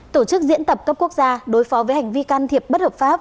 tổ chức diễn tập cấp quốc gia đối phó với hành vi can thiệp bất hợp pháp